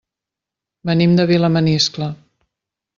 Venim de Vilamaniscle.